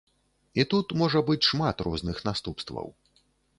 І тут можа быць шмат розных наступстваў.